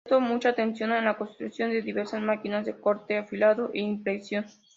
Prestó mucha atención a la construcción de diversas máquinas de corte, afilado e impresión.